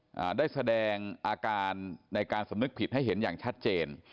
อ่าได้แสดงอาการในการสำนึกผิดให้เห็นอย่างชัดเจน